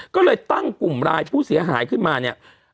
ก็เลยตั้งกลุ่มรายผู้เสียหายขึ้นมาเนี่ย